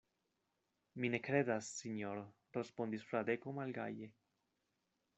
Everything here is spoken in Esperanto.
Mi ne kredas, sinjoro, respondis Fradeko malgaje.